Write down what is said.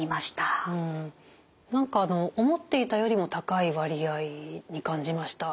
何か思っていたよりも高い割合に感じました。